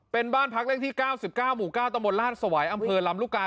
เป็นบ้านพักเลขที่๙๙หมู่๙ตมราชสวายอำเภอลำลูกกา